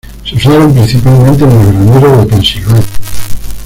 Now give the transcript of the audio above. Se usaron principalmente en los graneros de Pensilvania.